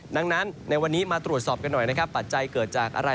ดังนั้นในวันนี้มาตรวจสอบกันหน่อยตัดใจเกิดจากอะไร